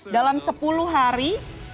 dalam sepuluh hari